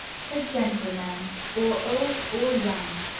A gentleman, or old or young!